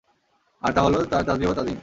আর তাহলো তাঁর তাসবীহ ও তাজীম।